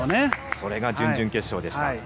それが準々決勝でした。